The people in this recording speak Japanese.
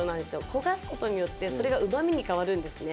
「焦がす事によってそれがうまみに変わるんですね」